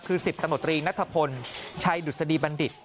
คือ๑๐ตำรวจตรีนัทพลชัยดุษฎีบัณฑิต